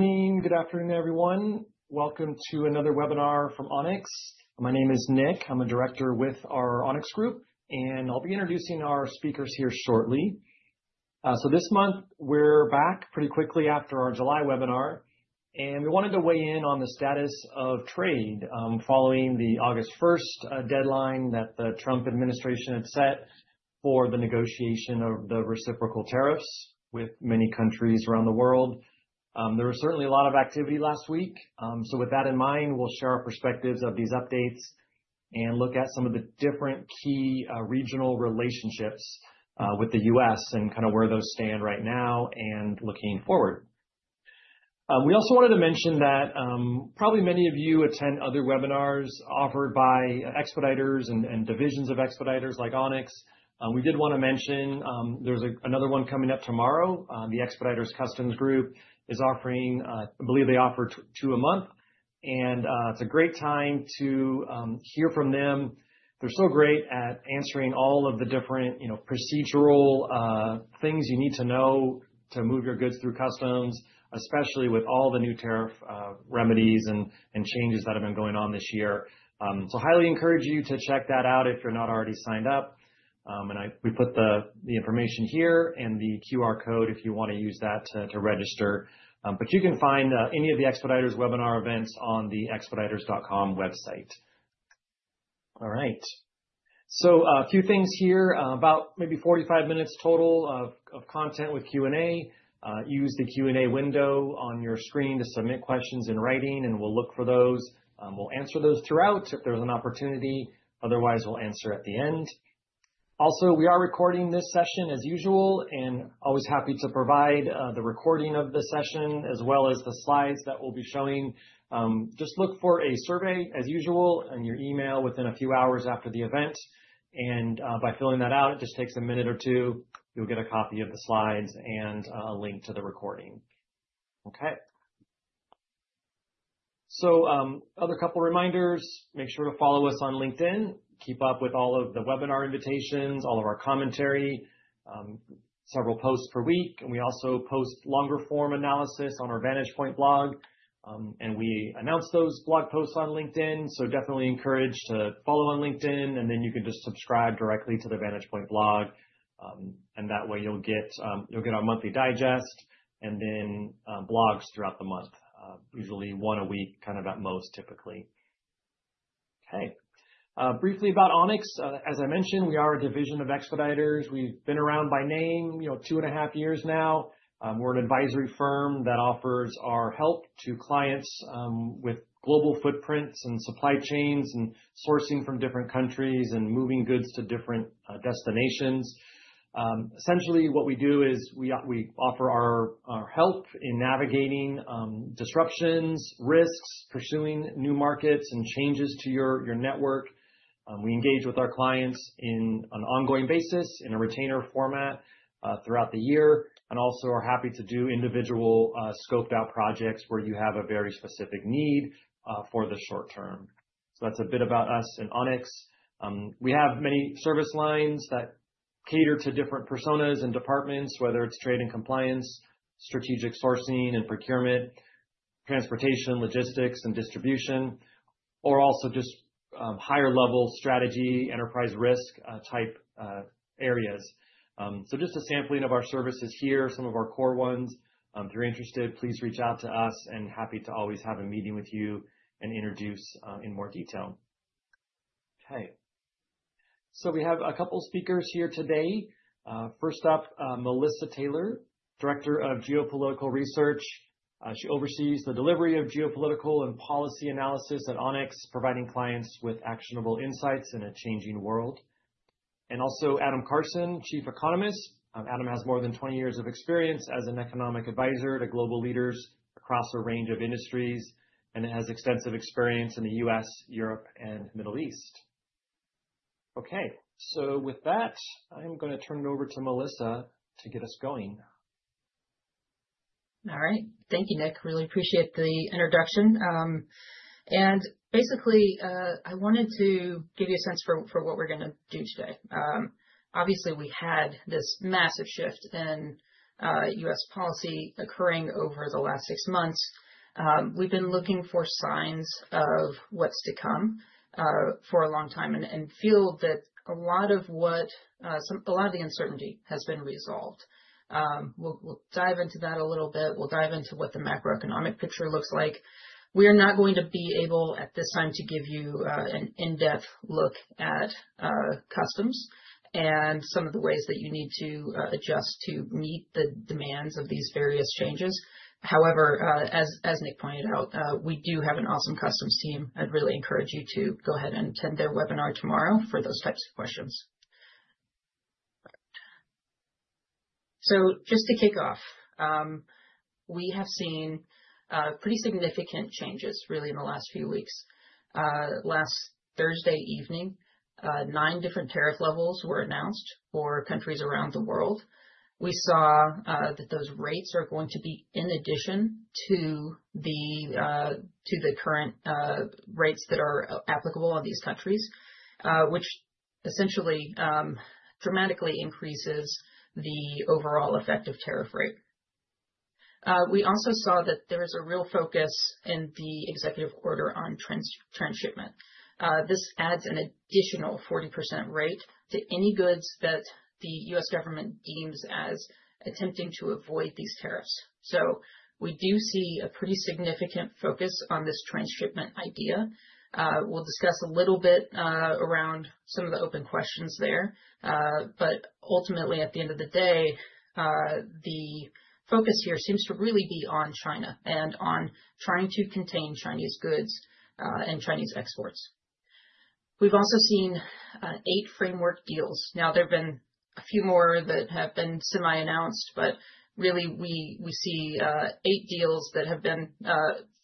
Morning. Good afternoon, everyone. Welcome to another webinar from Onyx. My name is Nick. I'm a Director with our Onyx Group and I'll be introducing our speakers here shortly. This month we're back pretty quickly after our July webinar and we wanted to weigh in on the status of trade following the August 1st deadline that the Trump administration had set for the negotiation of the reciprocal tariffs with many countries around the world. There was certainly a lot of activity last week. With that in mind, we'll share our perspectives of these updates and look at some of the different key regional relationships with the U.S. and kind of where those stand right now and looking forward. We also wanted to mention that probably many of you attend other webinars offered by Expeditors and divisions of Expeditors like Onyx. We did want to mention there's another one coming up tomorrow. The Expeditors Customs Group is offering, I believe they offer two a month and it's a great time to hear from them. They're so great at answering all of the different, you know, procedural things you need to know to move your goods through customs, especially with all the new tariff remedies and changes that have been going on this year. I highly encourage you to check that out if you're not already signed up. We put the information here and the QR code if you want to use that to register. You can find any of the Expeditors webinar events on the expeditors.com website. All right, a few things here. About maybe 45 minutes total of content with Q&A. Use the Q&A window on your screen to submit questions in writing and we'll look for those. We'll answer those throughout if there's an opportunity. Otherwise we'll answer at the end. Also, we are recording this session as usual and always happy to provide the recording of the session as well as the slides that we'll be showing. Just look for a survey as usual in your email within a few hours after the event. By filling that out, it just takes a minute or two, you'll get a copy of the slides and a link to the recording. Okay. Other couple reminders, make sure to follow us on LinkedIn. Keep up with all of the webinar invitations, all of our commentary, several posts per week. We also post longer form analysis on our Vantage Point Blog, and we announce those blog posts on LinkedIn. Definitely encourage to follow on LinkedIn, and then you can just subscribe directly to the Vantage Point Blog. That way you'll get our monthly digest and then blogs throughout the month, usually one a week kind of at most typically. Okay. Briefly, about Onyx. As I mentioned, we are a division of Expeditors. We've been around by name, you know, two and a half years now. We're an advisory firm that offers our help to clients with global footprints and supply chains and sourcing from different countries and moving goods to different destinations. Essentially what we do is we offer our help in navigating disruptions, risks, pursuing new markets, and changes to your network. We engage with our clients on an ongoing basis in a retainer format throughout the year and also are happy to do individual scoped out projects where you have a very specific need for the short term. That's a bit about us in Onyx. We have many service lines that cater to different personas and departments, whether it's Trade and Compliance, Strategic Sourcing and Procurement, Transportation, Logistics and Distribution, or also just higher level strategy, enterprise risk type areas. Just a sampling of our services here, some of our core ones. If you're interested, please reach out to us and happy to always have a meeting with you and introduce in more detail. We have a couple speakers here today. First up, Melissa Taylor, Director of Geopolitical Research. She oversees the delivery of geopolitical and policy analysis at Onyx, providing clients with actionable insights in a changing world. Also Adam Karson, Chief Economist. Adam has more than 20 years of experience as an economic advisor to global leaders across a range of industries and has extensive experience in the U.S., Europe, and Middle East. With that, I'm going to turn it over to Melissa to get us going. All right, thank you, Nick. Really appreciate the introduction, and basically I wanted to give you a sense for what we're going to do today. Obviously, we had this massive shift in U.S. policy occurring over the last six months. We've been looking for signs of what's to come for a long time and feel that a lot of the uncertainty has been resolved. We'll dive into that a little bit. We'll dive into what the macroeconomic picture looks like. We are not going to be able at this time to give you an in-depth look at customs and some of the ways that you need to adjust to meet the demands of these various changes. However, as Nick pointed out, we do have an awesome customs team. I'd really encourage you to go ahead and attend their webinar tomorrow for those types of questions. Just to kick off, we have seen pretty significant changes really in the last few weeks. Last Thursday evening, nine different tariff levels were announced for countries around the world. We saw that those rates are going to be in addition to the current rates that are applicable on these countries, which essentially dramatically increases the overall effective tariff rate. We also saw that there is a real focus in the executive order on transshipment. This adds an additional 40% rate to any goods that the U.S. government deems as attempting to avoid these tariffs. We do see a pretty significant focus on this transshipment idea. We'll discuss a little bit around some of the open questions there. Ultimately, at the end of the day, the focus here seems to really be on China and on trying to contain Chinese goods and Chinese exports. We've also seen eight framework deals. There have been a few more that have been semi-announced, but we see eight deals that have been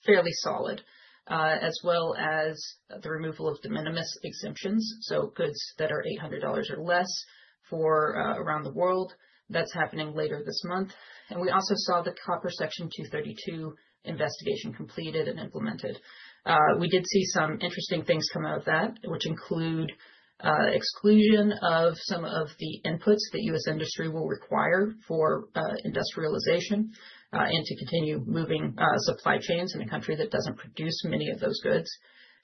fairly solid as well as the removal of de minimis exemptions. Goods that are $800 or less for around the world—that's happening later this month. We also saw the copper Section 232 investigation completed and implemented. We did see some interesting things come out of that, which include exclusion of some of the inputs that U.S. industry will require for industrialization and to continue moving supply chains in a country that doesn't produce many of those goods.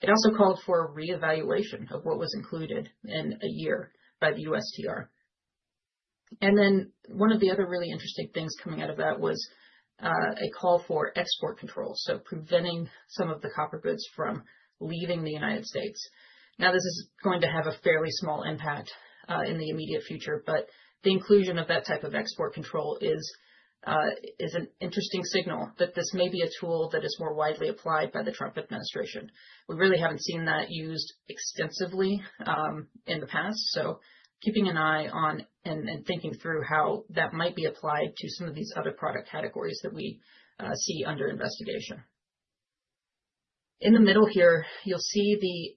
It also called for a reevaluation of what was included in a year by the USTR. One of the other really interesting things coming out of that was a call for export control. Preventing some of the copper goods from leaving the United States is going to have a fairly small impact in the immediate future. The inclusion of that type of export control is an interesting signal that this may be a tool that is more widely applied by the Trump administration. We really haven't seen that used extensively in the past. Keeping an eye on and thinking through how that might be applied to some of these other product categories that we see under investigation is important. In the middle here, you'll see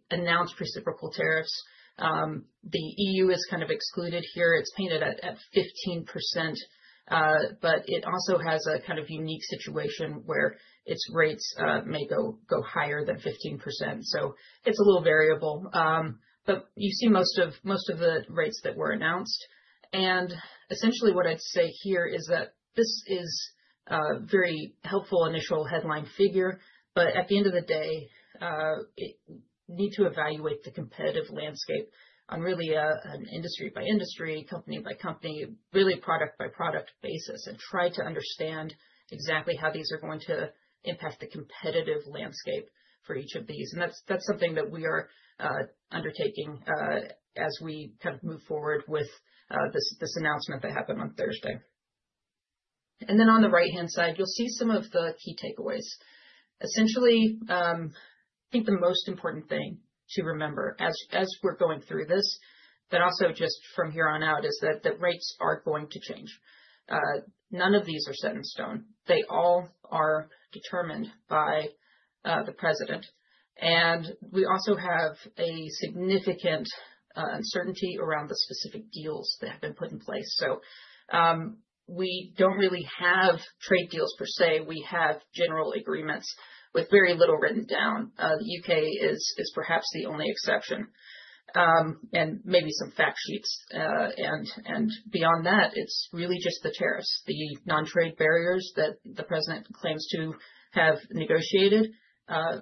the announced reciprocal tariffs. The EU is kind of excluded here; it's painted at 15%. It also has a unique situation where its rates may go higher than 15%. It's a little variable, but you see most of the rates that were announced. Essentially, what I'd say here is that this is a very helpful initial headline figure, but at the end of the day, you need to evaluate the competitive landscape on really an industry-by-industry, company-by-company, really product-by-product basis and try to understand exactly how these are going to impact the competitive landscape for each of these. That's something that we are undertaking as we move forward with this announcement that happened on Thursday. On the right-hand side, you'll see some of the key takeaways. Essentially, I think the most important thing to remember as we're going through this, but also just from here on out, is that rates are going to change. None of these are set in stone. They all are determined by the President. We also have significant uncertainty around the specific deals that have been put in place. We don't really have trade deals per se. We have general agreements with very little written down. The U.K. is perhaps the only exception and maybe some fact sheets. Beyond that, it's really just the tariffs. The non-trade barriers that the President claims to have negotiated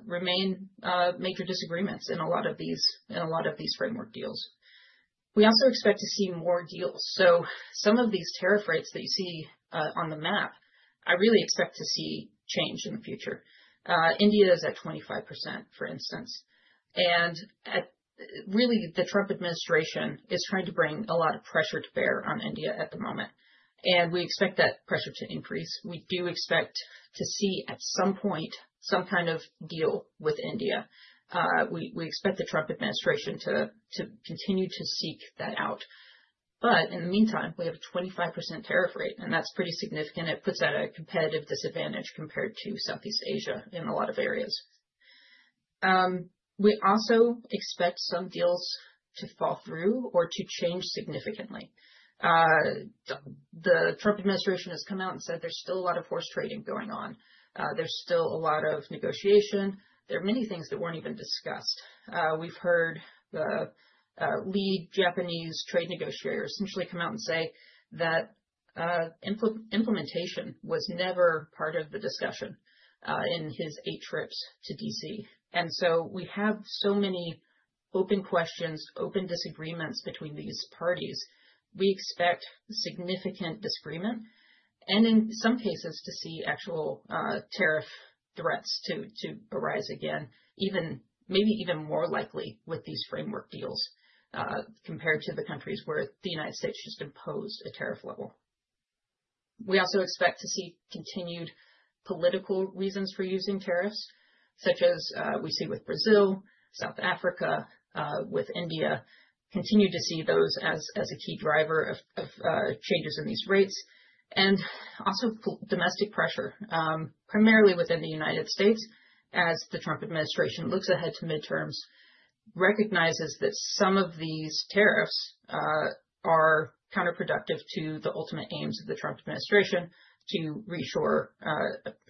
remain major disagreements. In a lot of these framework deals, we also expect to see more deals. Some of these tariff rates that you see on the map, I really expect to see change in the future. India is at 25% for instance, and the Trump administration is trying to bring a lot of pressure there on India at the moment and we expect that pressure to increase. We do expect to see at some point some kind of deal with India. We expect the Trump administration to continue to seek that out. In the meantime, we have a 25% tariff rate and that's pretty significant. It puts at a competitive disadvantage compared to Southeast Asia in a lot of areas. We also expect some deals to fall through or to change significantly. The Trump administration has come out and said there's still a lot of horse trading going on, there's still a lot of negotiation. There are many things that weren't even discussed. We've heard the lead Japanese trade negotiators essentially come out and say that implementation was never part of the discussion in his eight trips to D.C., and we have so many open questions, open disagreements between these parties. We expect significant disagreement and in some cases to see actual tariff threats to arise again, maybe even more likely with these framework deals compared to the countries where the United States just imposed a tariff level. We also expect to see continued political reasons for using tariffs, such as we see with Brazil, South Africa, with India. Continue to see those as a key driver of changes in these rates and also domestic pressure, primarily within the United States, as the Trump administration looks ahead to midterms, recognizes that some of these tariffs are counterproductive to the ultimate aims of the Trump administration to reshore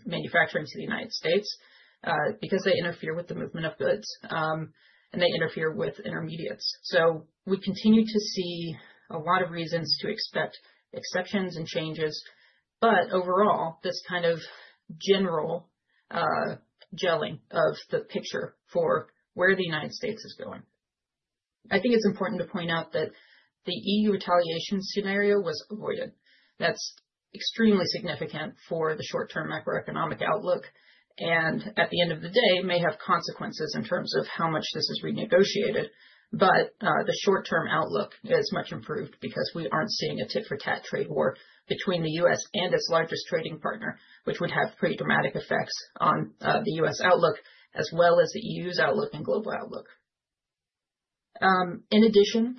manufacturing to the United States because they interfere with the movement of goods and they interfere with intermediates. We continue to see a lot of reasons to accept exceptions and changes, but overall, this kind of general gelling of the picture for where the United States is going, I think it's important to point out that the EU retaliation scenario was avoided. That's extremely significant for the short term macroeconomic outlook and at the end of the day may have consequences in terms of how much this is renegotiated. The short term outlook is much improved because we aren't seeing a tit for tat trade war between the U.S. and its largest trading partner, which would have pretty dramatic effects on the U.S. outlook as well as the EU's outlook and global outlook. In addition,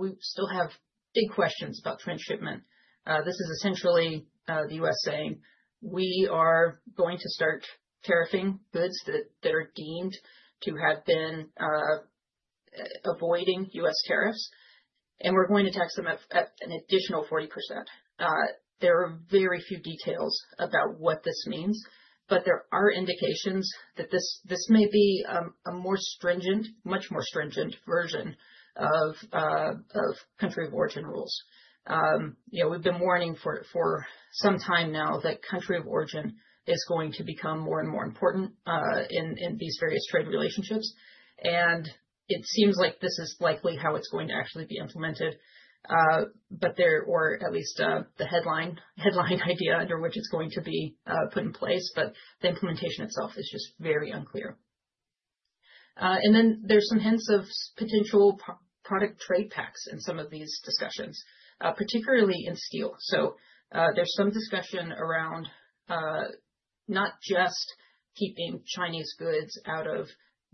we still have big questions about transshipment. This is essentially the U.S. saying we are going to start tariffing goods that are deemed to have been avoiding U.S. tariffs and we're going to tax them an additional 40%. There are very few details about what this means, but there are indications that this may be a more stringent, much more stringent version of country-of-origin rules. We've been warning for some time now that country-of-origin rules are going to become more and more important in these various trade relationships. It seems like this is likely how it's going to actually be implemented, or at least the headline idea under which it's going to be put in place. The implementation itself is just very unclear. There are some hints of potential product trade pacts in some of these discussions, particularly in steel. There is some discussion around not just keeping Chinese goods out of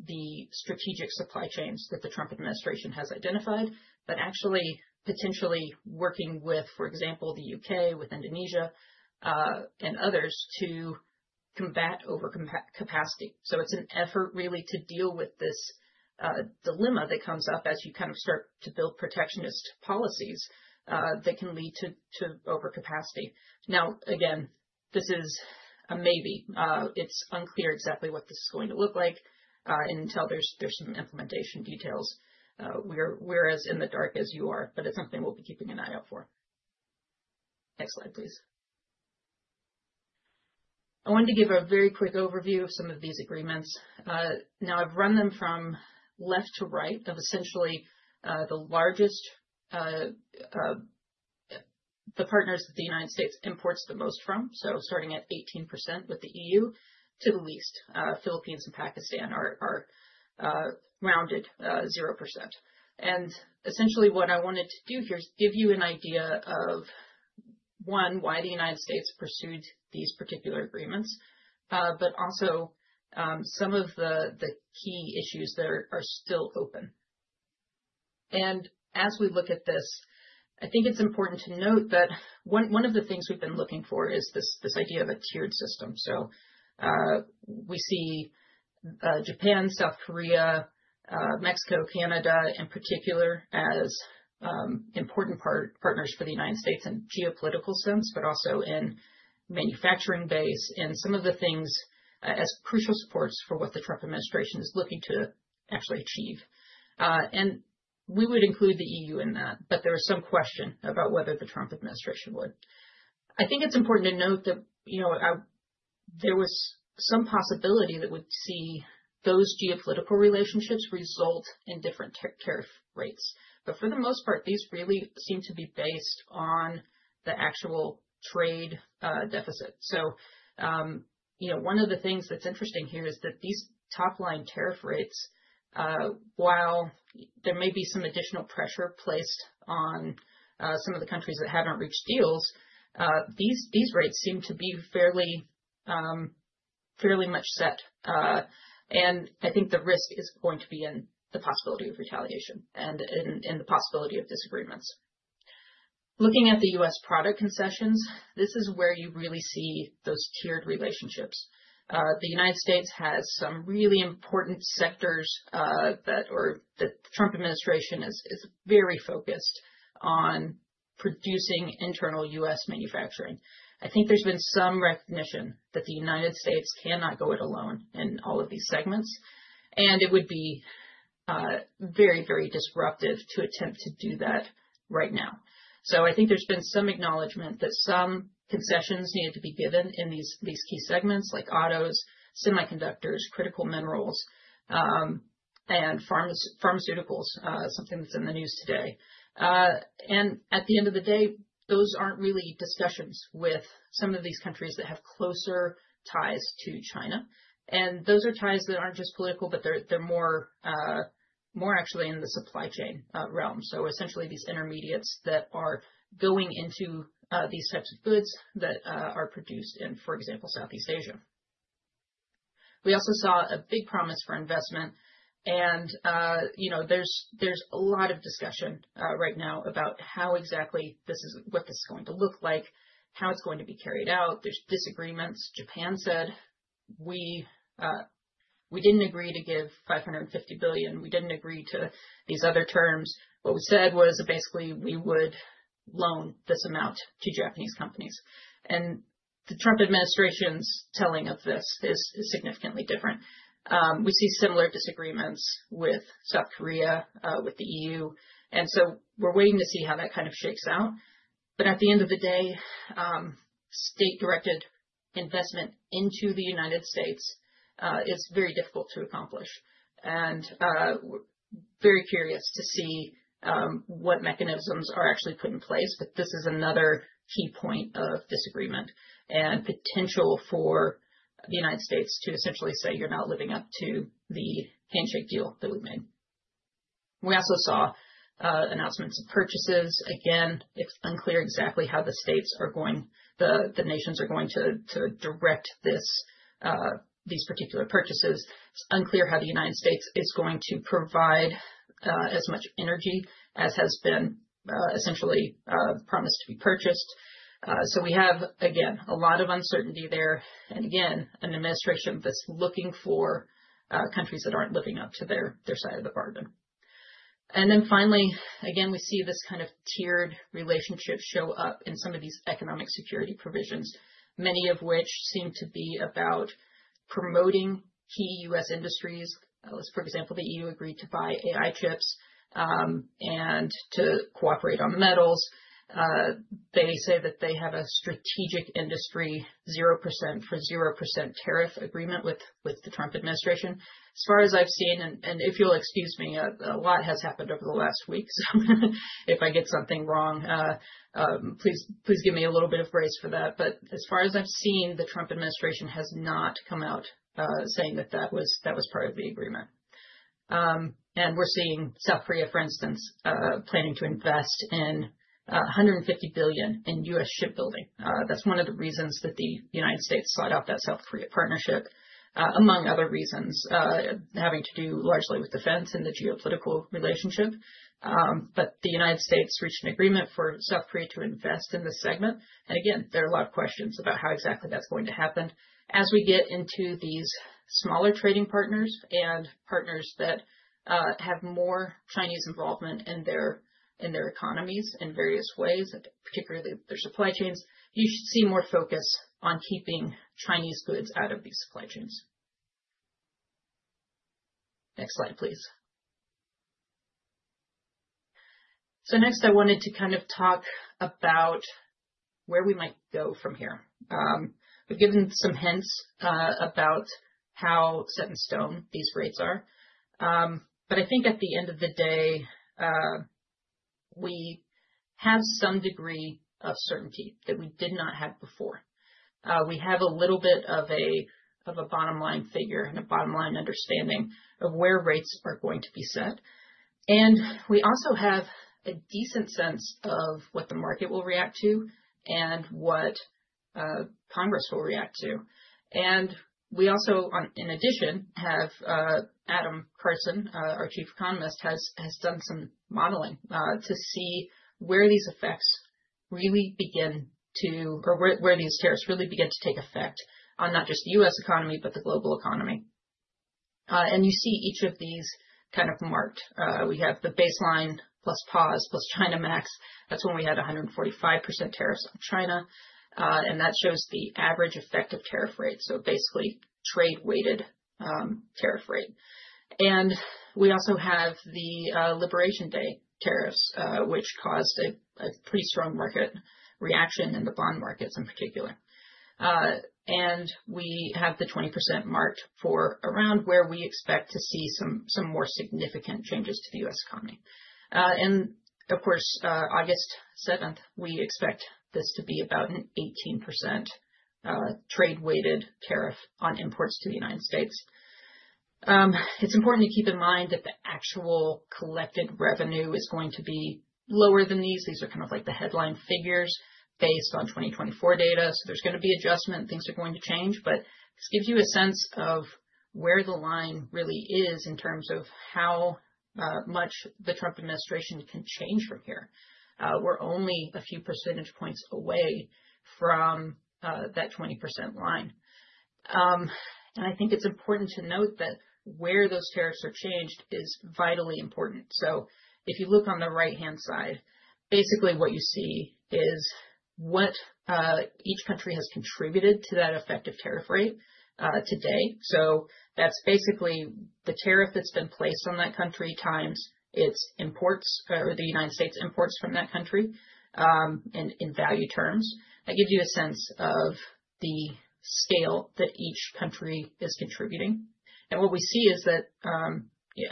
the strategic supply chains that the Trump administration has identified, but actually potentially working with, for example, the U.K., with Indonesia, and others to combat overcapacity. It's an effort really to deal with this dilemma that comes up as you start to build protectionist policies that can lead to overcapacity. This is a maybe. It's unclear exactly what this is going to look like. Until there's some implementation details, we're as in the dark as you are. It's something we'll be keeping an eye out for. Next slide, please. I wanted to give a very quick overview of some of these agreements. I've run them from left to right of essentially the largest, the partners that the United States imports the most from. Starting at 18% with the EU to the least, Philippines and Pakistan are rounded 0%. Essentially what I wanted to do here is give you an idea of, one, why the United States pursued these particular agreements, but also some of the key issues that are still open. As we look at this, I think it's important to note that one of the things we've been looking for is this idea of a tiered system. We see Japan, South Korea, Mexico, and Canada in particular as important partners for the United States in a geopolitical sense, but also in manufacturing base and some of the things as crucial supports for what the Trump administration is looking to actually achieve. We would include the EU in that. There is some question about whether the Trump administration would. I think it's important to note that there was some possibility that would see those geopolitical relationships result in different tariff rates. For the most part, these really seem to be based on the actual trade deficit. One of the things that's interesting here is that these top line tariff rates, while there may be some additional pressure placed on some of the countries that have not reached deals, these rates seem to be fairly much set. I think the risk is going to be in the possibility of retaliation and the possibility of disagreements. Looking at the U.S. product concessions, this is where you really see those tiered relationships. The United States has some really important sectors. The Trump administration is very focused on producing internal U.S. manufacturing. I think there's been some recognition that the United States cannot go it alone in all of these segments. It would be very, very disruptive to attempt to do that right now. I think there's been some acknowledgment that some concessions needed to be given in these key segments like autos, semiconductors, critical minerals, and pharmaceuticals, something that's in the news today. At the end of the day, those aren't really discussions with some of these countries that have closer ties to China. Those are ties that aren't just political, but they're more actually in the supply chain realm. Essentially, these intermediates that are going into these types of goods that are produced in, for example, Southeast Asia, we also saw a big promise for investment. There's a lot of discussion right now about how exactly this is, what this is going to look like, how it's going to be carried out. There's disagreements. Japan said we didn't agree to give $550 billion. We didn't agree to these other terms. What we said was that basically we would loan this amount to Japanese companies. The Trump administration's telling of this is significantly different. We see similar disagreements with South Korea, with the EU, and we're waiting to see how that kind of shakes out. At the end of the day, state directed investment into the United States is very difficult to accomplish and very curious to see what mechanisms are actually put in place. This is another key point of disagreement and potential for the United States to essentially say, you're not living up to the handshake deal that we made. We also saw announcements of purchases. Again, it's unclear exactly how the states are going, the nations are going to direct these particular purchases. It's unclear how the United States is going to provide as much energy as has been essentially promised to be purchased. We have, again, a lot of uncertainty there. An administration is looking for countries that aren't living up to their side of the bargain. Finally, we see this kind of tiered relationship show up in some of these economic security provisions, many of which seem to be about promoting key U.S. industries. For example, the EU agreed to buy AI chips and to cooperate on metals. They say that they have a strategic industry, 0% for 0% tariff agreement with the Trump administration. As far as I've seen, and if you'll excuse me, a lot has happened over the last week. If I get something wrong, please give me a little bit of grace for that. As far as I've seen, the Trump administration has not come out saying that that was part of the agreement. We're seeing South Korea, for instance, planning to invest $150 billion in U.S. shipbuilding. That's one of the reasons that the United States sought out that South Korea partnership, among other reasons, having to do largely with defense and the geopolitical relationship. The United States reached an agreement for South Korea to invest in this segment. There are a lot of questions about how exactly that's going to happen. As we get into these smaller trading partners and partners that have more Chinese involvement in their economies in various ways, particularly their supply chains, you should see more focus on keeping Chinese goods out of these supply chains. Next slide, please. Next, I wanted to kind of talk about where we might go from here. We're given some hints about how set in stone these rates are. I think at the end of the day, we have some degree of certainty that we did not have before. We have a little bit of a bottom line figure and a bottom line understanding of where rates are going to be set. We also have a decent sense of what the market will react to and what Congress will react to. In addition, Adam Karson, our Chief Economist, has done some modeling to see where these effects really begin to, or where these tariffs really begin to take effect on not just the U.S. economy, but the global economy. You see each of these kind of marked. We have the baseline plus pause plus China Max. That's when we had 145% tariffs China. That shows the average effective tariff rate. Basically, trade-weighted tariff rate. We also have the Liberation Day tariffs, which caused a pretty strong market reaction in the bond markets in particular. We have the 20% mark for around where we expect to see some more significant changes to the U.S. economy. Of course, August 7th, we expect this to be about an 18% trade-weighted tariff on imports to the United States. It's important to keep in mind that the actual collected revenue is going to be lower than these. These are kind of like the headline figures based on 2024 data. There is going to be adjustment, things are going to change. This gives you a sense of where the line really is in terms of how much the Trump administration can change from here. We're only a few percentage points away from that 20% line. I think it's important to note that where those tariffs are changed is vitally important. If you look on the right-hand side, basically what you see is what each country has contributed to that effective tariff rate today. That's basically the tariff that's been placed on that country times its imports, or the United States imports from that country. In value terms, that gives you a sense of the scale that each country is contributing. What we see is that,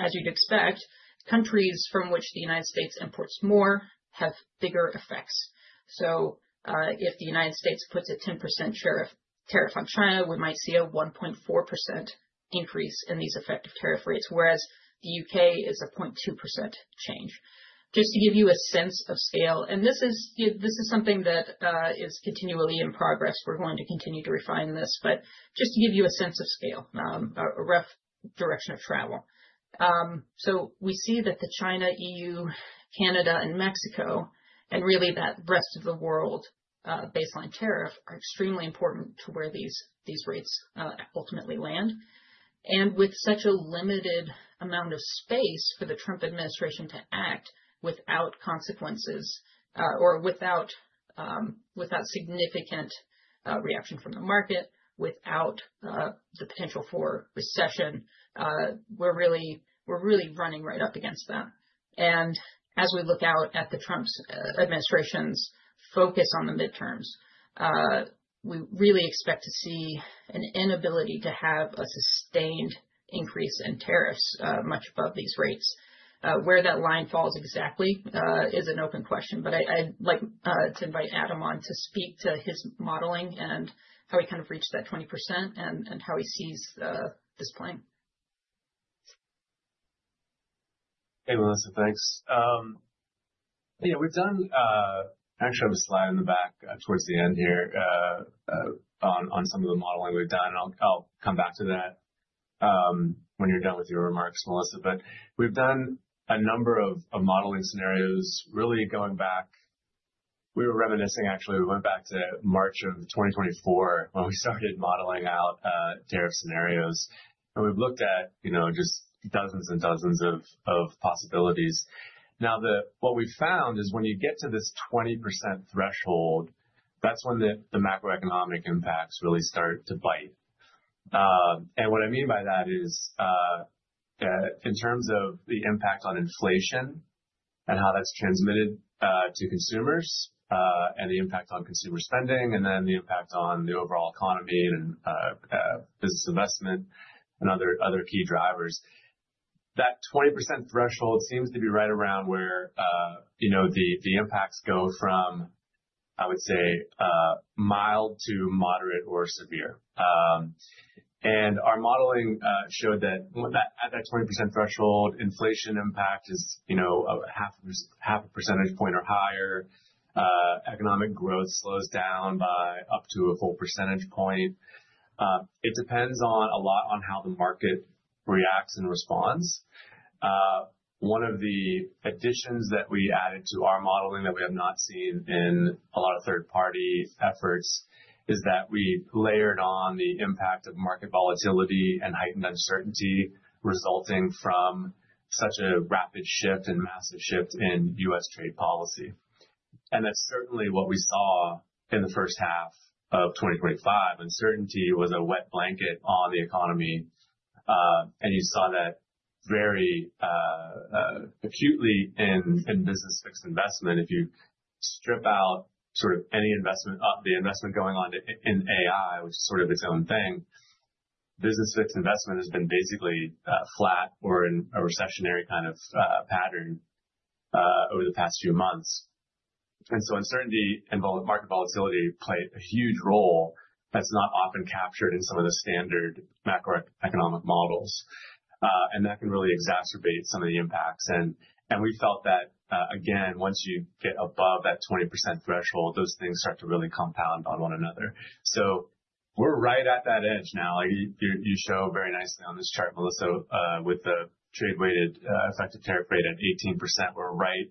as you'd expect, countries from which the United States imports more have bigger effects. If the United States puts a 10% share of tariff on China, we might see a 1.4% increase in these effective tariff rates, whereas the U.K. is a 0.2% change. Just to give you a sense of scale, and this is something that is continually in progress, we're going to continue to refine this. Just to give you a sense of scale, a rough direction of travel. We see that China, the EU, Canada, and Mexico, and really that rest of the world baseline tariff, are extremely important to where these rates ultimately land. With such a limited amount of space for the Trump administration to act without consequences or without significant reaction from the market, without the potential for recession, we're really running right up against that. As we look out at the Trump administration's focus on the midterms, we really expect to see an inability to have a sustained increase in tariffs much above these rates. Where that line falls exactly is an open question. I'd like to invite Adam on to speak to his modeling and how he kind of reached that 20% and how he sees this plan. Thanks. Yeah, we actually have a slide in the back towards the end here on some of the modeling we've done. I'll come back to that when you're done with your remarks, Melissa, but we've done a number of modeling scenarios. Really going back, we were reminiscing, we went back to March of 2024 when we started modeling out tariff scenarios. We've looked at just dozens and dozens of possibilities. What we found is when you get to this 20% threshold, that's when the macroeconomic impacts really start to bite. What I mean by that is in terms of the impact on inflation and how that's transmitted to consumers and the impact on consumer spending and then the impact on the overall economy and business investment and other key drivers, that 20% threshold seems to be right around where the impacts go from, I would say, mild to moderate or severe. Our modeling showed that at that 20% threshold, inflation impact is half a percentage point or higher. Economic growth slows down by up to a full percentage point. It depends a lot on how the market reacts and responds. One of the additions that we added to our modeling that we have not seen in a lot of third-party efforts is that we layered on the impact of market volatility and heightened uncertainty resulting from such a rapid shift and massive shift in U.S. trade policy. That's certainly what we saw in the first half of 2025. Uncertainty was a wet blanket on the economy. You saw that very acutely in business fixed investment. If you strip out any investment going on in AI, which was sort of its own thing, business fixed investment has been basically flat or in a recessionary kind of pattern over the past few months. Uncertainty and market volatility play a huge role that's not often captured in some of the standard macroeconomic models. That can really exacerbate some of the impacts. We felt that again, once you get above that 20% threshold, those things start to really compound on one another. We're right at that edge now. You show very nicely on this chart, Melissa, with the trade-weighted effective tariff rate at 18%.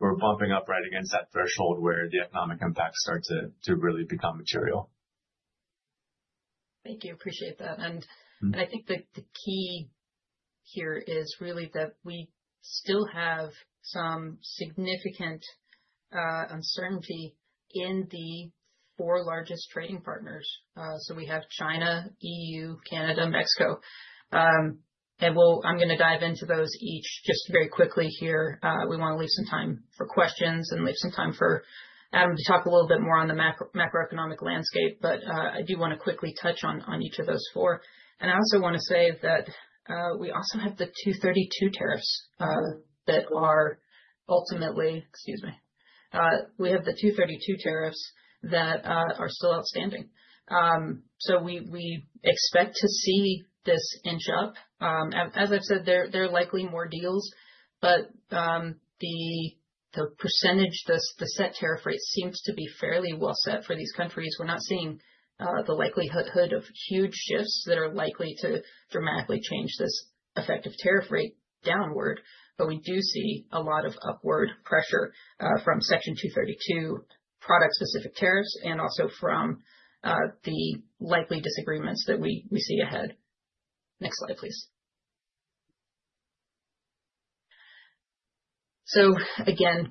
We're bumping up right against that threshold where the economic impact starts to really become material. Thank you. Appreciate that. I think the key here is really that we still have some significant uncertainty in the four largest trading partners. We have China, the EU, Canada, and Mexico. I'm going to dive into those each just very quickly here. We want to leave some time for questions and leave some time for Adam to talk a little bit more on the macroeconomic landscape. I do want to quickly touch on each of those four. I also want to say that we have the Section 232 tariffs that are still outstanding. We expect to see this inch up. As I said, there are likely more deals, but the percentage, the set tariff rate seems to be fairly well set for these countries. We're not seeing the likelihood of huge shifts that are likely to dramatically change this effective tariff rate downward, but we do see a lot of upward pressure from Section 232 product specific tariffs and also from the likely disagreements that we see ahead. Next slide please.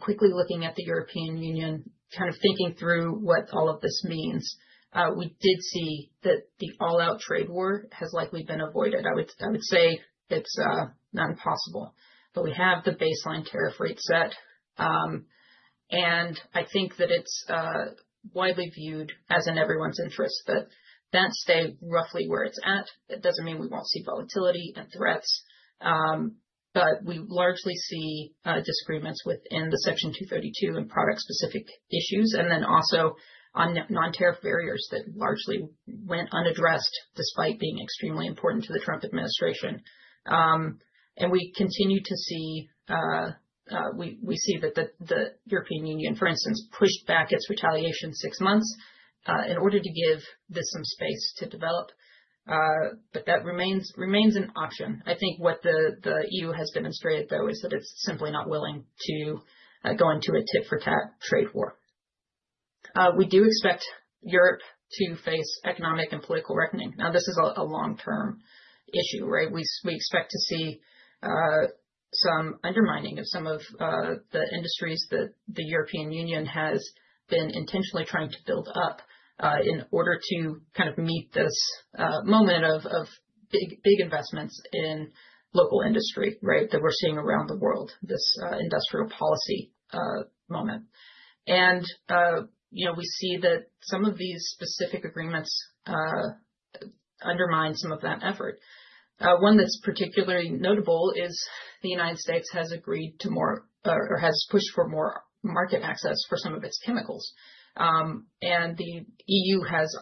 Quickly looking at the European Union, kind of thinking through what all of this means, we did see that the all out trade war has likely been avoided. I would say it's not impossible, but we have the baseline tariff rate set and I think that it's widely viewed as in everyone's interest that that stay roughly where it's at. It doesn't mean we won't see volatility and threats, but we largely see disagreements within the Section 232 and product specific issues and then also on non tariff barriers that largely went unaddressed despite being extremely important to the Trump administration. We continue to see that the European Union, for instance, pushed back its retaliation six months in order to give this some space to develop, but that remains an option. I think what the EU has demonstrated though is that it's simply not willing to go into a tit for tat trade war. We do expect Europe to face economic and political reckoning. This is a long term issue. We expect to see some undermining of some of the industries that the European Union has been intentionally trying to build up in order to kind of meet this moment of big investments in local industry that we're seeing around the world, this industrial policy moment. We see that some of these specific agreements undermine some of that effort. One that's particularly notable is the United States has agreed to more or has pushed for more market access for some of its chemicals, and the EU has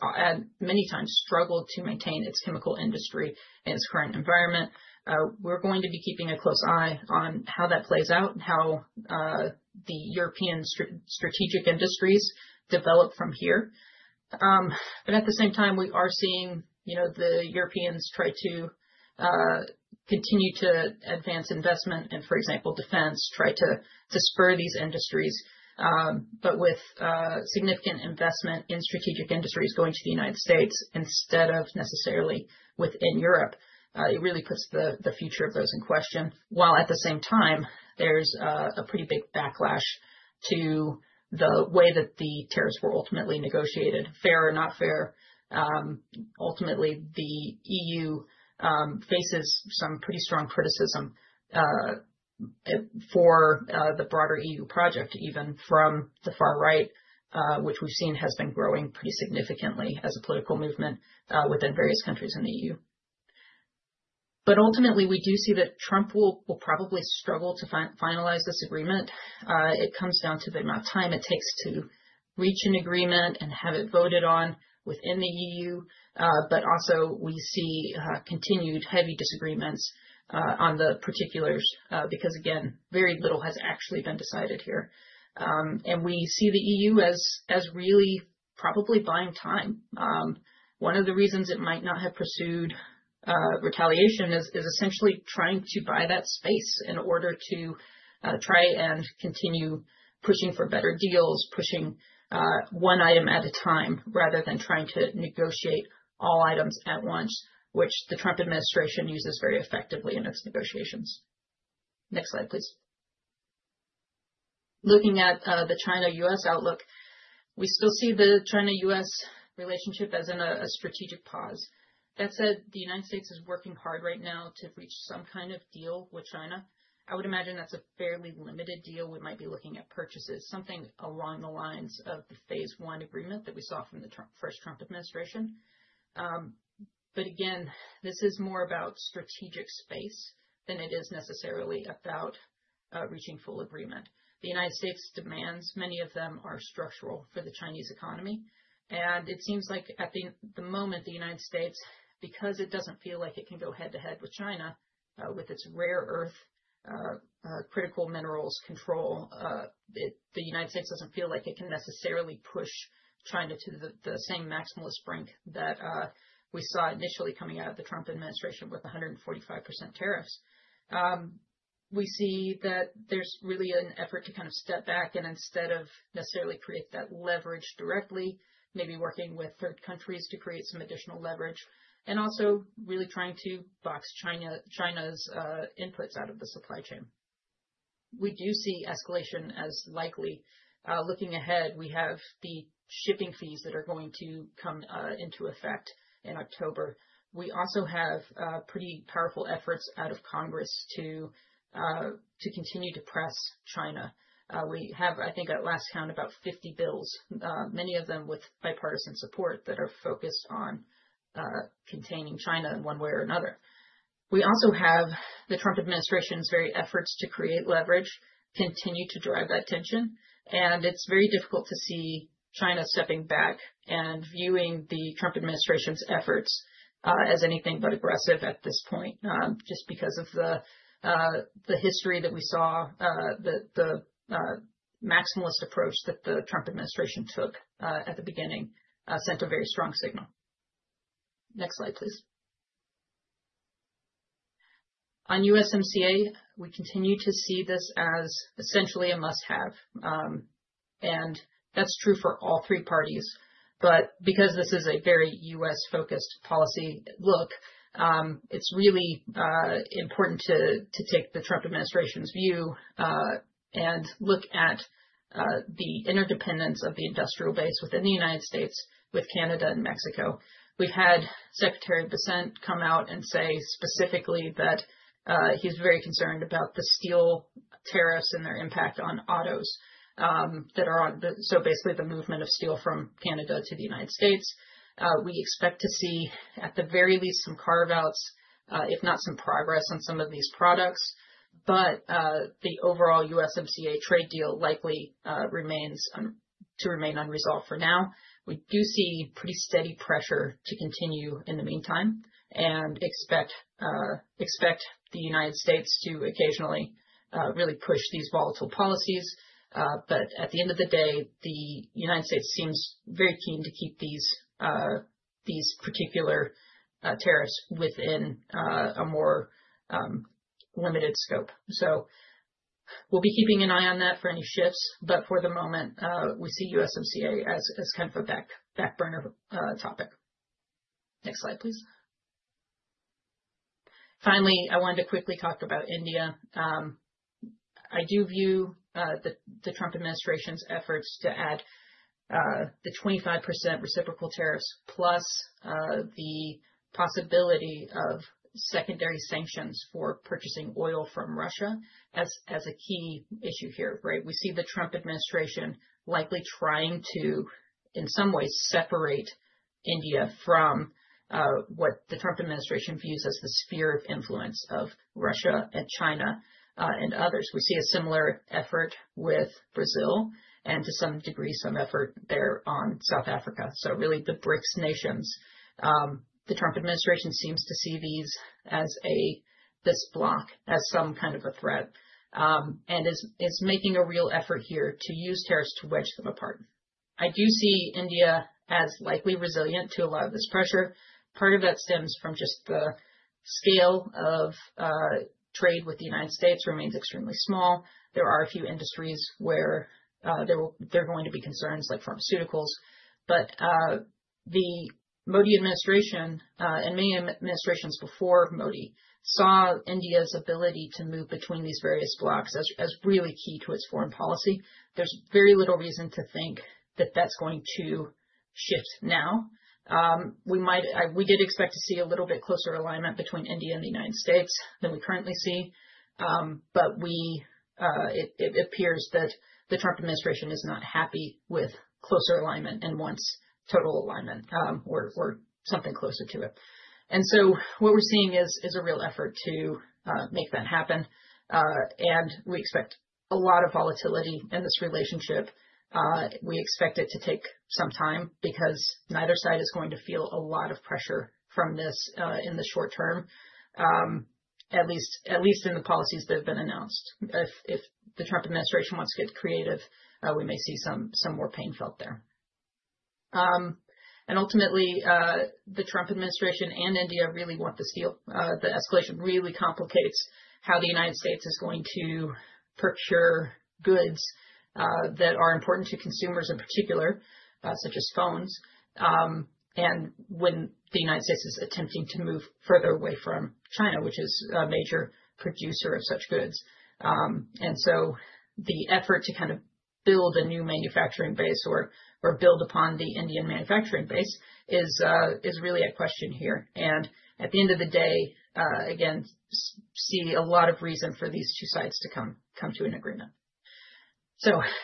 many times struggled to maintain its chemical industry in its current environment. We're going to be keeping a close eye on how that plays out, how the European strategic industries develop from here. At the same time, we are seeing the Europeans try to continue to advance investment and, for example, defense, try to spur these industries. With significant investment in strategic industries going to the United States instead of necessarily within Europe, it really puts the future of those in question. At the same time, there's a pretty big backlash to the way that the tariffs were ultimately negotiated. Fair or not fair, the EU faces some pretty strong criticism for the broader EU project, even from the far right, which we've seen has been growing pretty significantly as a political movement within various countries in the EU. Ultimately, we do see that Trump will probably struggle to finalize this agreement. It comes down to the amount of time it takes to reach an agreement and have it voted on within the EU. We see continued heavy disagreements on the particulars because, again, very little has absolutely been decided here. We see the EU as really probably buying time. One of the reasons it might not have pursued retaliation is essentially trying to buy that space in order to try and continue pushing for better deals, pushing one item at a time rather than trying to negotiate all items at once, which the Trump administration uses very effectively in its negotiations. Next slide, please. Looking at the China-U.S. outlook, we still see the China-U.S. relationship as in a strategic pause. That said, the United States is working hard right now to reach some kind of deal with China. I would imagine that's a fairly limited deal. We might be looking at purchases, something along the lines of the Phase One agreement that we saw from the first Trump administration. Again, this is more about strategic space than it is necessarily about reaching full agreement. The United States demands, many of them are structural for the Chinese economy. It seems like at the moment the United States, because it doesn't feel like it can go head to head with China with its rare earth critical minerals control, doesn't feel like it can necessarily push China to the same maximalist brink that we saw initially coming out of the Trump administration with 145% tariffs. We see that there's really an effort to step back and instead of necessarily create that leverage directly, maybe working with third countries to create some additional leverage and also really trying to box China's inputs out of the supply chain. We do see escalation as likely. Looking ahead, we have the shipping fees that are going to come into effect in October. We also have pretty powerful efforts out of Congress to continue to press China. I think at last count, about 50 bills, many of them with bipartisan support, are focused on containing China in one way or another. We also have the Trump administration's efforts to create leverage continue to drive that tension. It's very difficult to see China stepping back and viewing the Trump administration's efforts as anything but aggressive at this point, just because of the history that we saw. The maximalist approach that the Trump administration took at the beginning sent a very strong signal. Next slide please. On USMCA, we continue to see this as essentially a must have and that's true for all three parties. Because this is a very U.S.-focused policy, it's really important to take the Trump administration's view and look at the interdependence of the industrial base within the United States with Canada and Mexico. We've had Secretary Bessent come out and say specifically that he's very concerned about the steel tariffs and their impact on autos, so basically the movement of steel from Canada to the United States. We expect to see at the very least some carve outs, if not some progress on some of these products. The overall USMCA trade deal likely remains unresolved for now. We do see pretty steady pressure to continue in the meantime and expect the United States to occasionally really push these volatile policies. At the end of the day, the United States seems very keen to keep these particular tariffs within a more limited scope. We'll be keeping an eye on that for any shifts. For the moment, we see USMCA as kind of a back burner topic. Next slide please. Finally, I wanted to quickly talk about India. I do view the Trump administration's efforts to add the 25% reciprocal tariffs plus the possibility of secondary sanctions for purchasing oil from Russia as a key issue here. We see the Trump administration likely trying to in some ways separate India from what the Trump administration views as the sphere of influence of Russia and China and others. We see a similar effort with Brazil and to some degree some effort there on South Africa, the BRICS nations. The Trump administration seems to see these as a, this bloc, as some kind of a threat and is making a real effort here to use tariffs to wedge them apart. I do see India as likely resilient to a lot of this pressure. Part of that stems from just the scale of trade with the United States remains extremely small. There are a few industries where there are going to be concerns like pharmaceuticals. The Modi administration and many administrations before Modi saw India's ability to move between these various blocs as really key to its foreign policy. There's very little reason to think that that's going to shift now. We did expect to see a little bit closer alignment between India and the United States than we currently see, but it appears that the Trump administration is not happy with closer alignment and wants total alignment or something closer to it. What we're seeing is a real effort to make that happen. We expect a lot of volatility in this relationship. We expect it to take some time because neither side is going to feel a lot of pressure from this in the short term, at least in the policies that have been announced. If the Trump administration wants to get creative, we may see some more pain felt there. Ultimately the Trump administration and India really want a deal. The escalation really complicates how the United States is going to procure goods that are important to consumers in particular, such as phones, when the United States is attempting to move further away from China, which is a major producer of such goods. The effort to kind of build a new manufacturing base or build upon the Indian manufacturing base is really a question here. At the end of the day, again, see a lot of reason for these two sides to come through an agreement.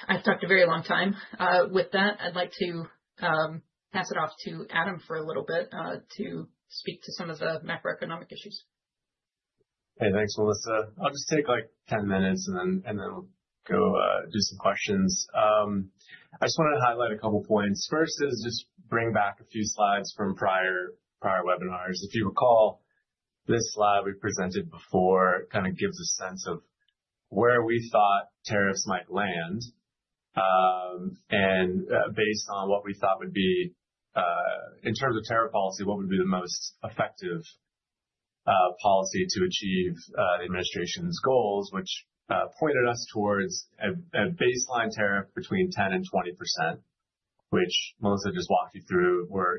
I've talked a very long time. With that, I'd like to pass it off to Adam for a little bit to speak to some of the macroeconomic issues. Hey, thanks, Melissa. I'll just take like 10 minutes and then we'll go do some questions. I just wanted to highlight a couple points. First is just bring back a few slides from prior webinars. If you recall, this slide we presented before kind of gives a sense of where we thought tariffs might land. Based on what we thought would be in terms of tariff policy, what would be the most effective policy to achieve the administration's goals, which pointed us towards a baseline tariff between 10% and 20%, which Melissa just walked you through, we're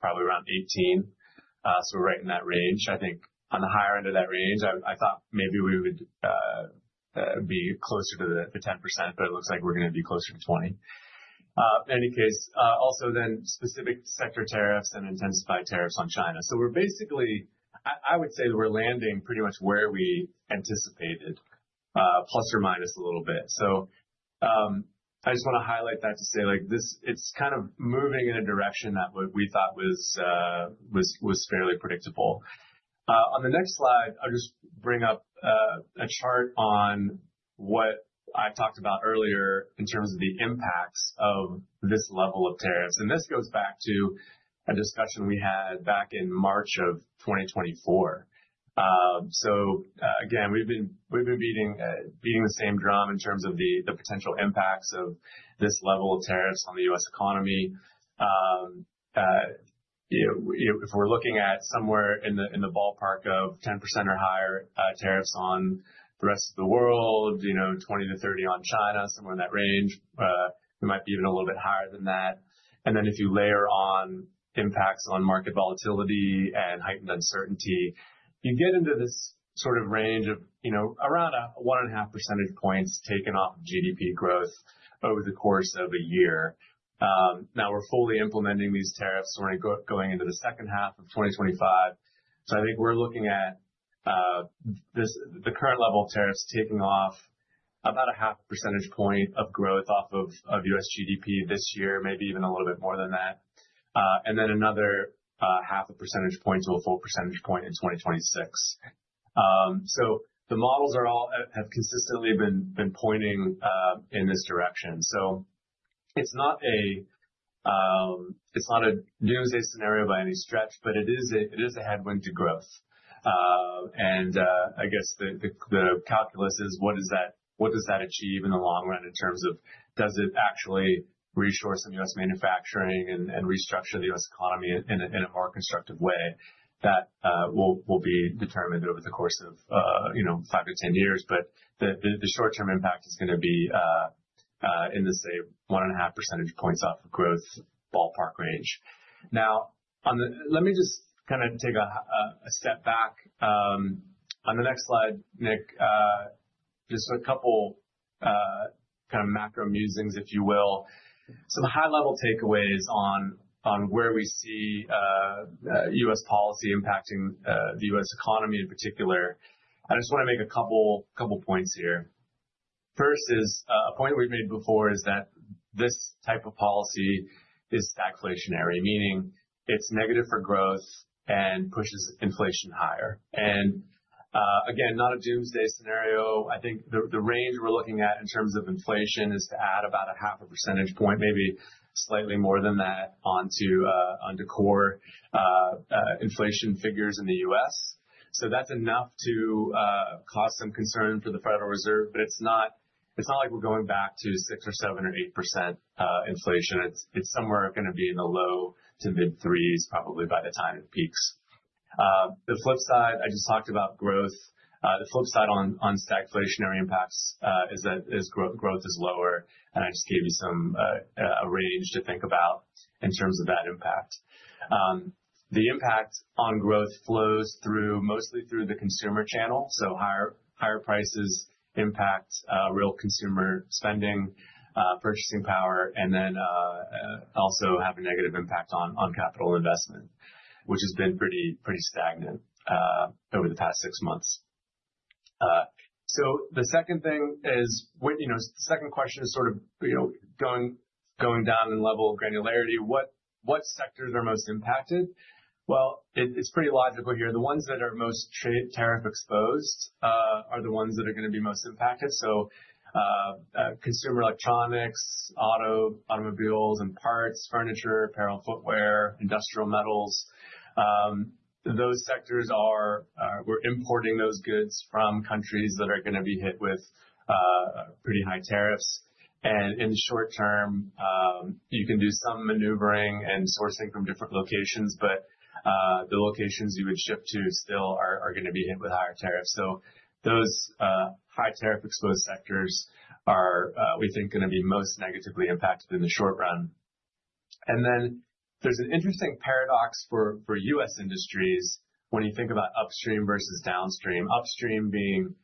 probably around 18%. Right in that range, I think on the higher end of that range, I thought maybe we would be closer to the 10%, but it looks like we're going to be closer to 20% in any case. Also, then specific sector tariffs and intensified tariffs on China. We're basically, I would say, we're landing pretty much where we anticipated, plus or minus a little bit. I just want to highlight that to say, like this, it's kind of moving in a direction that we thought was fairly predictable. On the next slide, I'll just bring up a chart on what I talked about earlier in terms of the impacts of this level of tariffs. This goes back to a discussion we had back in March of 2024. Again, we've been beating the same drum in terms of the potential impacts of this level of tariffs on the U.S. economy. If we're looking at somewhere in the ballpark of 10% or higher tariffs on the rest of the world, 20%-30% on China, somewhere in that range, it might be even a little bit higher than that. If you layer on impacts on market volatility and heightened uncertainty, you get into this sort of range of around 1.5 percentage points taken off GDP growth over the course of a year. Now we're fully implementing these tariffs. We're going into the second half of 2025. I think we're looking at this, the current level of tariffs taking off about a 0.5 percentage point of growth off of U.S. GDP this year, maybe even a little bit more than that, and then another 0.5 percentage point to a 1.0 percentage point in 2026. The models all have consistently been pointing in this direction. It's not a doomsday scenario by any stretch, but it is a headwind to growth. I guess the calculus is what is that? What does that achieve in the long run in terms of does it actually resource some U.S. manufacturing and restructure the U.S. economy in a more constructive way? That will be determined over the course of five to 10 years. The short term impact is going to be in the same 1.5 percentage points off of gross ballpark range. Now let me just take a step back on the next slide, Nick. Just a couple macro musings, if you will, some high level takeaways on where we see U.S. policy impacting the U.S. economy in particular. I just want to make a couple of points here. First is a point we've made before, that this type of policy is stagflationary, meaning it's negative for growth and pushes inflation higher. Again, not a doomsday scenario. I think the range we're looking at in terms of inflation is to add about 0.5% maybe slightly more than that onto core inflation figures in the U.S. That's enough to cause some concern for the Federal Reserve, but it's not like we're going back to 6% or 7% or 8% inflation. It's somewhere going to be in the low to mid threes, probably by the time it peaks. I just talked about growth. The flip side on stagflationary impacts is that this growth is lower. I just gave you a range to think about in terms of that impact. The impact on growth flows through mostly through the consumer channel. Higher prices impact real consumer spending, purchasing power, and then also have a negative impact on capital investment, which has been pretty stagnant over the past six months. The second question is sort of going down in level of granularity. What sectors are most impacted? It's pretty logical here. The ones that are most tariff exposed are the ones that are going to be most impacted. Consumer electronics, automobiles and parts, furniture, apparel, footwear, industrial metals, those sectors are, we're importing those goods from countries that are going to be hit with pretty high tariffs. In the short term you can do some maneuvering and sourcing from different locations, but the locations you would ship to still are going to be hit with higher tariffs. Those high tariff exposed sectors are, we think, going to be most negatively impacted in the short run. There's an interesting paradox for U.S. industries when you think about upstream versus downstream. Upstream being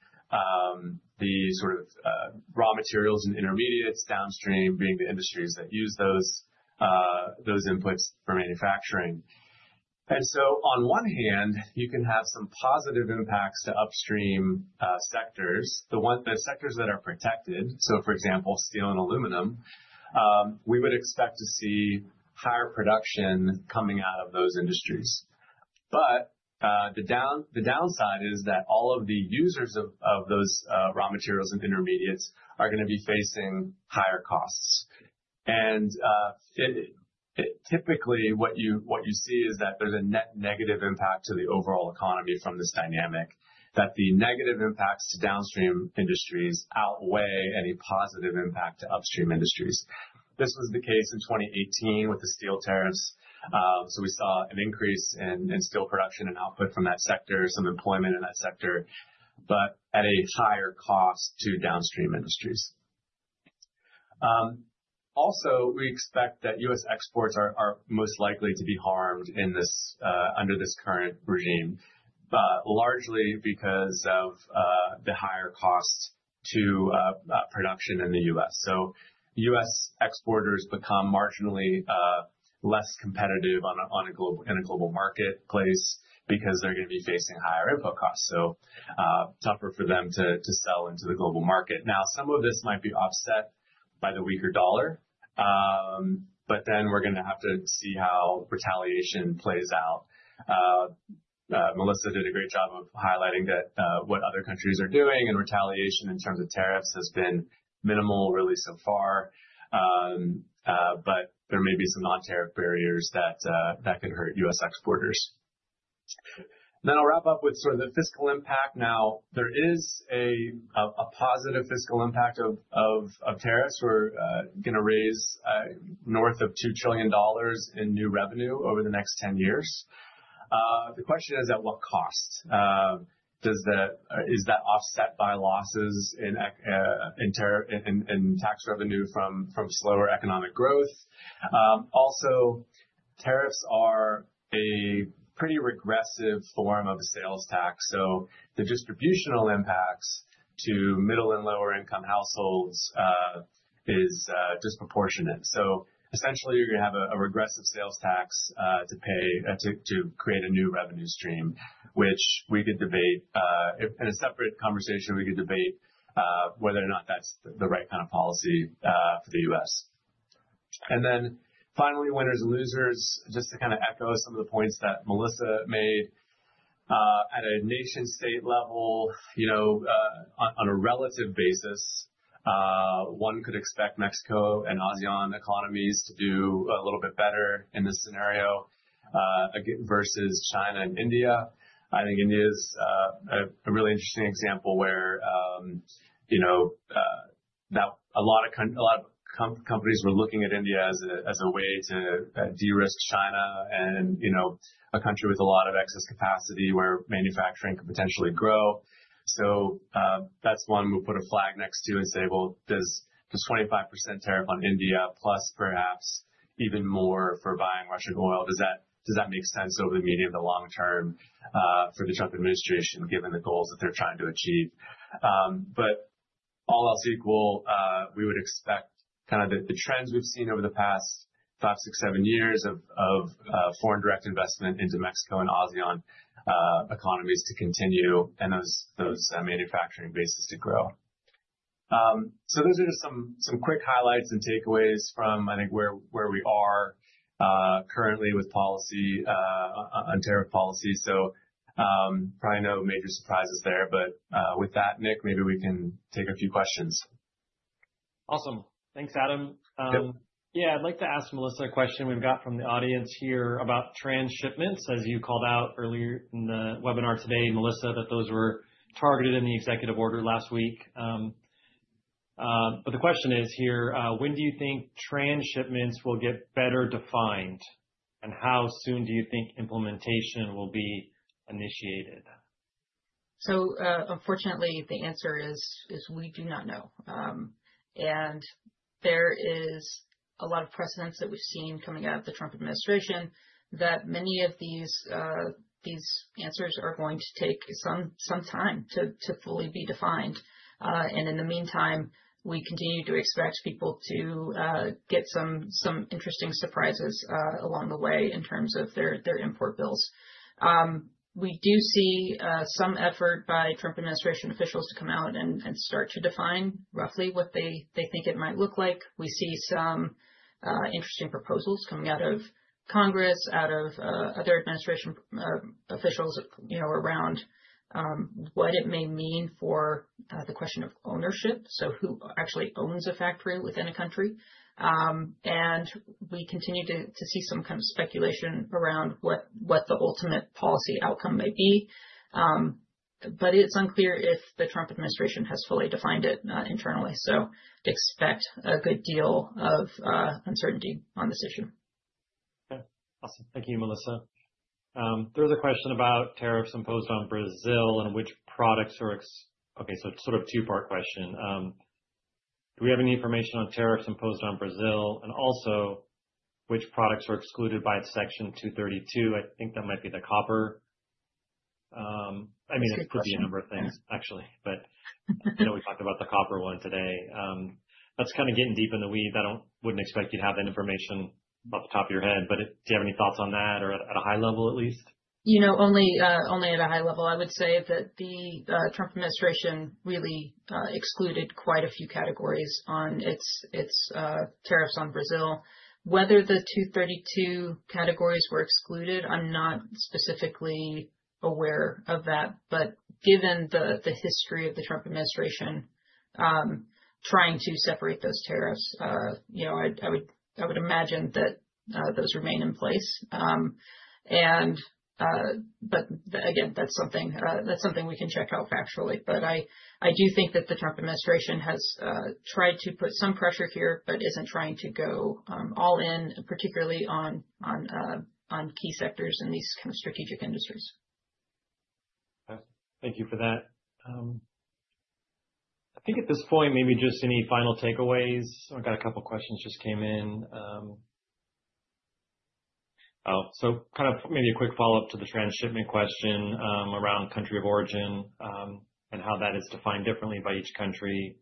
the sort of raw materials and intermediates, downstream being the industries that use those inputs for manufacturing. On one hand you can have some positive impacts to upstream sectors, the sectors that are protected. For example, steel and aluminum, we would expect to see higher production coming out of those industries. The downside is that all of the users of those raw materials and intermediates are going to be facing higher costs. Typically what you see is that there's a net negative impact to the overall economy from this dynamic, that the negative impacts to downstream industries outweigh any positive impact to upstream industries. This was the case in 2018 with the steel tariffs. We saw an increase in steel production and output from that sector, some employment in that sector, but at a higher cost to downstream industries. We expect that U.S. exports are most likely to be harmed under this current regime largely because of the higher cost to production in the U.S. U.S. exporters become marginally less competitive in a global marketplace because they're going to be facing higher input costs, so tougher for them to sell into the global market. Some of this might be offset by the weaker dollar, but we're going to have to see how retaliation plays out. Melissa did a great job of highlighting what other countries are doing and retaliation in terms of tariffs has been minimal really so far. There may be some non-tariff barriers that could hurt U.S. exporters. I'll wrap up with the fiscal impact. There is a positive fiscal impact of tariffs. We're going to raise north of $2 trillion in new revenue over the next 10 years. The question is at what cost? Is that offset by losses in tax revenue from slower economic growth? Also, tariffs are a pretty regressive form of a sales tax. The distributional impacts to middle and lower income households is disproportionate. Essentially you're going to have a regressive sales tax to pay to create a new revenue stream which we could debate in a separate conversation. We could debate whether or not that's the right kind of policy for the U.S. Finally, when are the losers. Just to echo some of the points that Melissa made at a nation state level, on a relative basis one could expect Mexico and ASEAN economies to do a little bit better in this scenario versus China and India. I think India is a really interesting example where you know that a lot of, a lot of companies were looking at India as a way to de-risk China and you know, a country with a lot of excess capacity where manufacturing could potentially grow. That's one we'll put a flag next to and say does this 25% tariff on India plus perhaps even more for buying Russian oil, does that make sense over the medium to long term for the Trump administration given the goals that they're trying to achieve. All else equal, we would expect kind of the trends we've seen over the past five, six, seven years of foreign direct investment into Mexico and ASEAN economies to continue and those manufacturing bases to grow. Those are just some quick highlights and takeaways from I think where we are currently with policy, on tariff policy. Probably no major surprises there. With that Nick, maybe we can take a few questions. Awesome. Thanks, Adam. Yeah, I'd like to ask Melissa a question we've got from the audience here about transshipment. As you called out earlier in the webinar today, Melissa, those were targeted in the executive order last week. The question is, when do you think transshipment will get better defined and how soon do you think implementation will be initiated? Unfortunately, the answer is we do not know. There is a lot of precedence that we've seen coming out of the Trump administration that many of these answers are going to take some time to fully be defined. In the meantime, we continue to expect people to get some interesting surprises along the way in terms of their import bills. We do see some effort by Trump administration officials to come out and start to define roughly what they think it might look like. We see some interesting proposals coming out of Congress, out of other administration officials, around what it may mean for the question of ownership, so who actually owns a factory within a country. We continue to see some kind of speculation around what the ultimate policy outcome might be. It's unclear if the Trump administration has fully defined it internally. Expect a good deal of uncertainty on this issue. Awesome. Thank you, Melissa. The question about tariffs imposed on Brazil and which products are. Okay, so it's sort of two part questions. Do we have any information on tariffs imposed on Brazil and also which products are excluded by Section 232? I think that might be the copper. I mean it could be a number of things actually, but we talked about the copper one today. That's kind of getting deep in the weeds. I wouldn't expect you to have that information off the top of your. Do you have any thoughts on that at a high level at least? You know, only at a high level. I would say that the Trump administration really excluded quite a few categories on its tariffs on Brazil. Whether the Section 232 categories were excluded, I'm not specifically aware of that. Given the history of the Trump administration trying to separate those tariffs, I would imagine that those remain in place. That's something we can check out factually. I do think that the Trump administration has tried to put some pressure here, but isn't trying to go all in, particularly on key sectors in these strategic industries. Thank you for that. I think at this point, maybe just any final takeaways. I got a couple questions just came in. Oh, so kind of maybe a quick follow up to the transshipment question around country-of-origin and how that is defined differently by each country.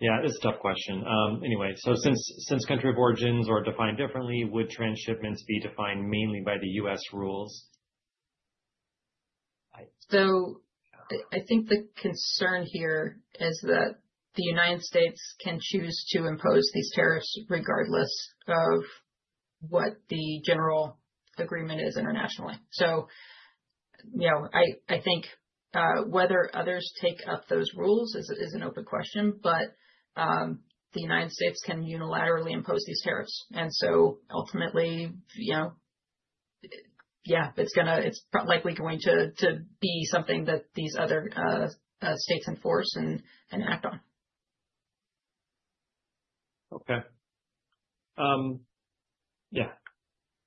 Yeah, this is a tough question. Anyway, since country-of-origin rules are defined differently, would transshipments be defined mainly by the U.S. rules? I think the concern here is that the United States can choose to impose these tariffs regardless of what the general agreement is internationally. I think whether others take up those rules is an open question. The United States can unilaterally impose these tariffs, and ultimately, yeah, it's likely going to be something that these other states enforce and act on. Okay.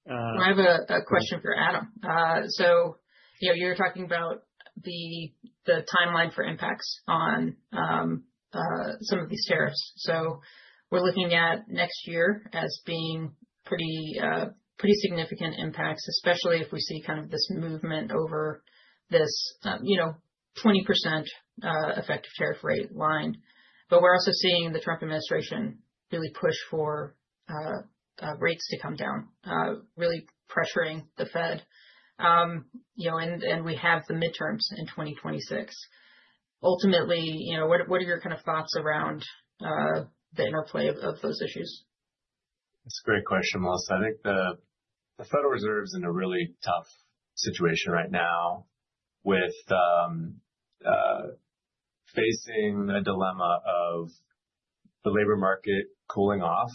I have a question for Adam. You're talking about the timeline for impacts on some of these tariffs. We're looking at next year as being pretty significant impacts, especially if we see this movement over this 20% effective tariff rate line. We're also seeing the Trump administration really push for rates to come down, really pressuring the Federal Reserve, and we have the midterms in 2026. Ultimately, what are your thoughts around the interplay of those issues? That's a great question, Melissa. I think the Federal Reserve's in a really tough situation right now with facing a dilemma of the labor market cooling off.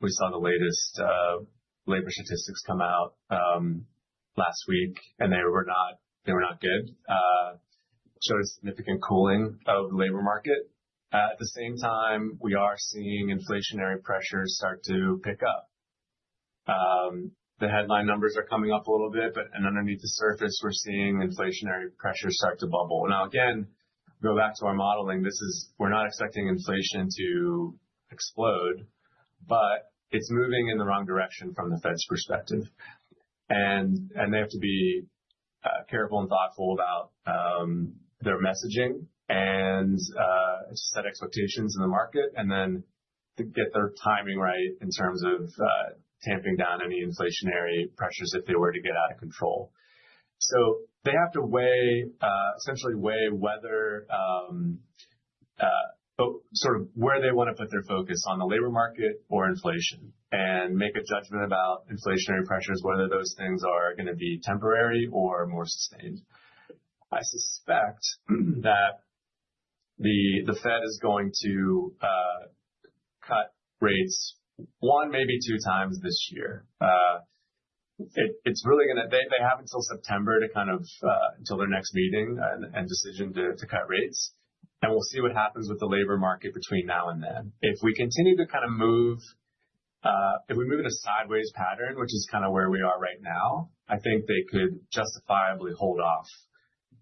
We saw the latest labor statistics come out last week, and they were not good, showed a significant cooling of the labor market. At the same time, we are seeing inflationary pressures start to pick up. The headline numbers are coming up a little bit, and underneath the surface, we're seeing inflationary pressures start to bubble. Now, again, go back to our modeling. We're not expecting inflation to explode, but it's moving in the wrong direction from the Fed's perspective. They have to be careful and thoughtful about their messaging and set expectations in the market and then to get their timing right in terms of tamping down any inflationary pressures if they were to get out of control. They have to weigh, essentially weigh whether sort of where they want to put their focus on the labor market or inflation and make a judgment about inflationary pressures, whether those things are going to be temporary or more sustained. I suspect that the Fed is going to cut rates one, maybe two times this year. It's really going to, they have until September to kind of until their next meeting and decision to cut rates. We'll see what happens with the labor market between now and then. If we continue to kind of move, if we move in a sideways pattern, which is kind of where we are right now, I think they could justifiably hold off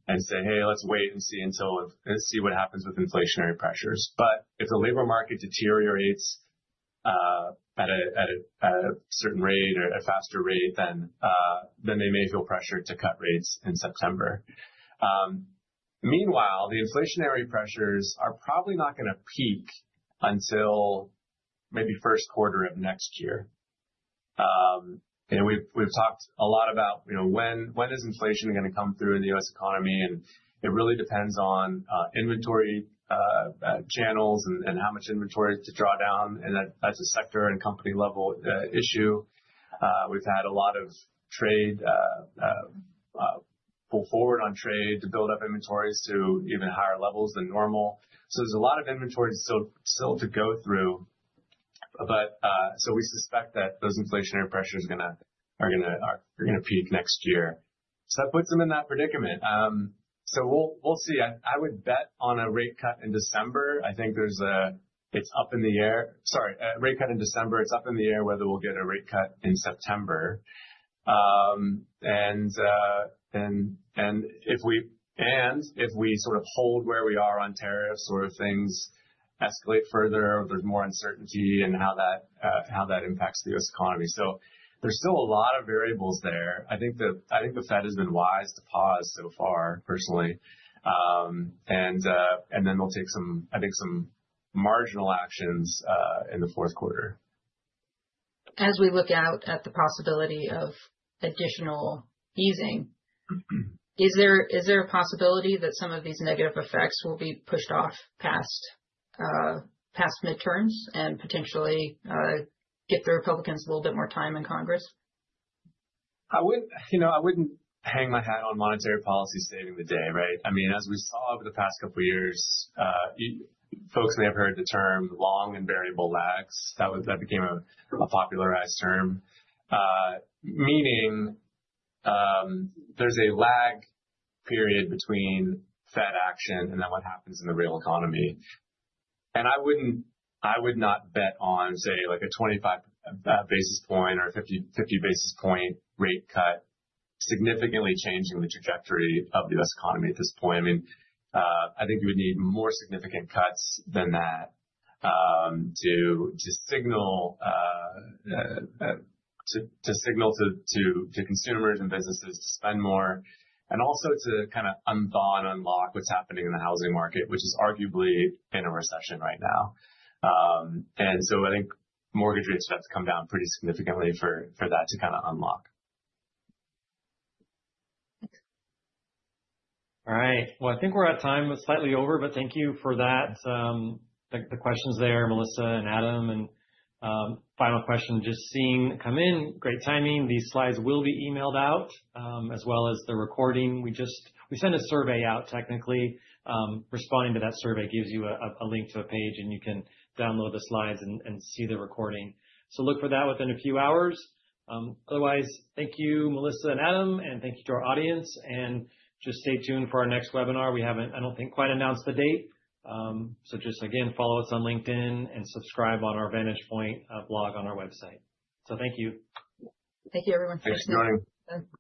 and say, hey, let's wait and see until, see what happens with inflationary pressures. If the labor market deteriorates at a certain rate or a faster rate, then they may feel pressured to cut rates in September. Meanwhile, the inflationary pressures are probably not going to peak until maybe first quarter of next year. We've talked a lot about, you know, when is inflation going to come through in the U.S. economy and it really depends on inventory channels and how much inventory to draw down and that, that's a sector and company level issue. We've had a lot of trade pull forward on trade to build up inventories to even higher levels than normal. There's a lot of inventory still to go through. We suspect that those inflationary pressures are going to peak next year. It puts them in that predicament. We'll see. I would bet on a rate cut in December. I think it's up in the air. Rate cut in December, it's up in the air whether we'll get a rate cut in September, and if we sort of hold where we are on tariffs or things escalate further, there's more uncertainty and how that impacts the U.S. economy. There's still a lot of variables there. I think the Fed has been wise to pause so far personally, and then we'll take some marginal actions in the fourth quarter As we look out at the possibility of additional easing. Is there a possibility that some of these negative effects will be pushed off past midterms and potentially give Republicans a little bit more time in Congress? I wouldn't hang my hat on monetary policy saving the day. Right? As we saw over the past couple years, folks may have heard the term long and variable lags. That became a popularized term, meaning there's a lag period between Federal Reserve action and then what happens in the real economy. I would not bet on, say, a 25 basis point or 50 basis point rate cut significantly changing the trajectory of the U.S. economy at this point. I think you would need more significant cuts than that to signal to consumers and businesses to spend more and also to kind of unthaw and unlock what's happening in the housing market, which is arguably in a recession right now. I think mortgage rates have to come down pretty significantly for that to unlock. All right, I think we're at time, slightly over, but thank you for that. The questions there, Melissa and Adam, and final question just seeing come in. Great timing. These slides will be emailed out as well as the recording. We send a survey out; technically, responding to that survey gives you a link to a page, and you can download the slides and see the recording. Look for that within a few hours. Thank you, Melissa and Adam, and thank you to our audience. Just stay tuned for our next webinar. I don't think we've quite announced the date, so again, follow us on LinkedIn and subscribe on our Vantage Point blog on our website. Thank you. Thank you, everyone. Bye bye.